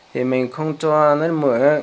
thì mình không cho nó mượ